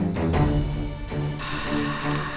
ada apaan sih